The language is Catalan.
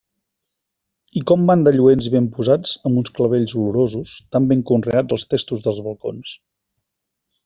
I com van de lluents i ben posats amb uns clavells olorosos, tan ben conreats als testos dels balcons.